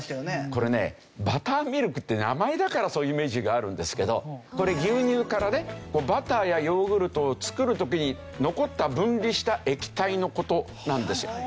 これねバターミルクって名前だからそういうイメージがあるんですけどこれ牛乳からねバターやヨーグルトを作る時に残った分離した液体の事なんですよ。